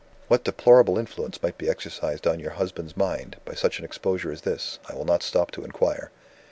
What deplorable influence might be exercised on your husband's mind, by such an exposure as this, I will not stop to inquire.